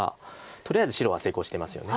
とりあえず白は成功してますよね。